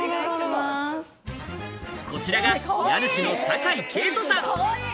こちらが家主の酒井景都さん。